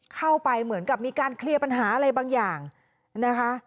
เข้าไปเหมือนกับมีการเคลียร์ปัญหาอะไรบางอย่างนะคะ